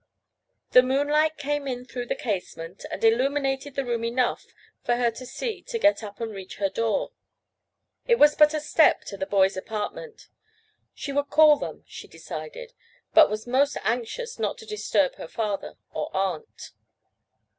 The moonlight came in through the casement and illuminated the room enough for her to see to get up and reach her door. It was but a step to the boys' apartment. She would call them, she decided, but was most anxious not to disturb her father or aunt.